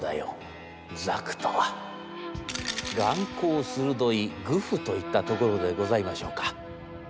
「眼光鋭いグフといったところでございましょうか。